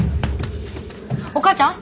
お母ちゃん？